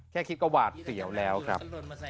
แค่คลิปก็หวาดเสียวแล้วครับ